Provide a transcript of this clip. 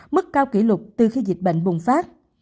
mức cao kỷ lục từ khi dịch bệnh bùng phát